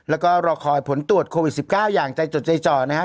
แล้วก็รอคอยผลตรวจโควิด๑๙อย่างใจจดใจจ่อนะครับ